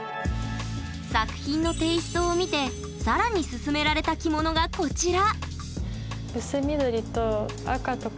作品のテイストを見て更にすすめられた着物がこちら！